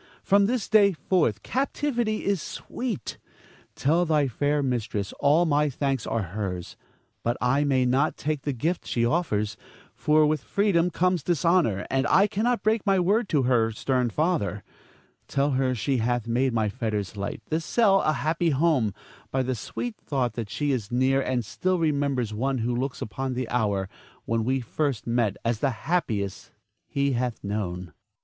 From this day forth captivity is sweet. Tell thy fair mistress all my thanks are hers; but I may not take the gift she offers, for with freedom comes dishonor, and I cannot break my word to her stern father. Tell her she hath made my fetters light, this cell a happy home, by the sweet thought that she is near and still remembers one who looks upon the hour when first we met as the happiest he hath known. Zara.